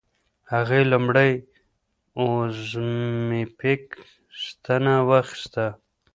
هغې لومړۍ اوزیمپیک ستنه واخیسته.